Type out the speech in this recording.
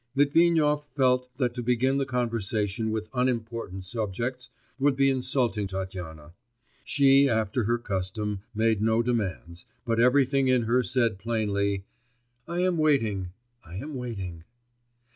Litvinov felt that to begin the conversation with unimportant subjects would be insulting Tatyana; she after her custom made no demands, but everything in her said plainly, 'I am waiting, I am waiting.